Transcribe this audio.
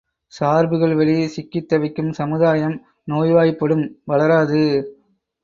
சார்புகள் வழி சிக்கித் தவிக்கும் சமுதாயம் நோய்வாய்ப்படும், வளராது.